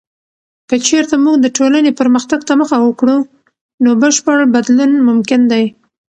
که چیرته موږ د ټولنې پرمختګ ته مخه وکړو، نو بشپړ بدلون ممکن دی.